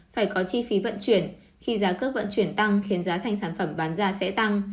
phải có chi phí vận chuyển khi giá cước vận chuyển tăng khiến giá thành sản phẩm bán ra sẽ tăng